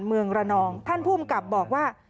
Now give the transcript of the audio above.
เมืองระนองท่านภูมิกับบอกว่า